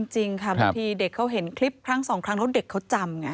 จริงค่ะบางทีเด็กเขาเห็นคลิปครั้งสองครั้งแล้วเด็กเขาจำไง